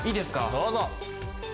どうぞ。